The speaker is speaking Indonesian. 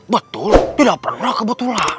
betul tidak pernah kebetulan